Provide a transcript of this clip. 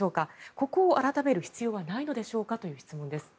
ここを改める必要はないのでしょうかという質問です。